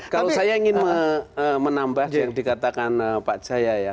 kalau saya ingin menambah yang dikatakan pak jaya ya